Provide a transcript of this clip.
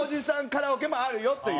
カラオケもあるよという。